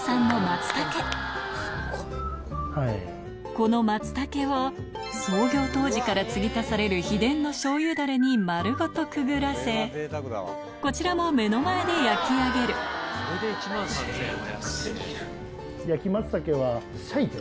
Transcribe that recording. この松茸を創業当時からつぎ足される秘伝の醤油ダレに丸ごとくぐらせこちらも目の前で焼き上げる焼き松茸は裂いて。